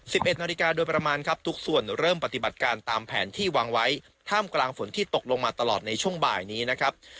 สิบเอ็ดนาฬิกาโดยประมาณครับทุกส่วนเริ่มปฏิบัติการตามแผนที่วางไว้ท่ามกลางฝนที่ตกลงมาตลอดในช่วงบ่ายนี้นะครับ